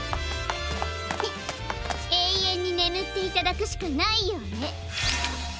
えいえんにねむっていただくしかないようね！